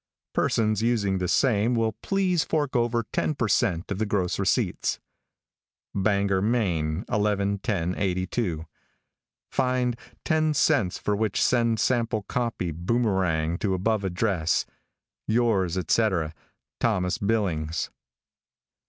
Persons using the same will please fork over ten per cent of the gross receipts: "Bangor, Maine, 11 10 82. "Find 10c for which send sample copy Boomerang to above address. Yours, etc., _"Thomas Billings."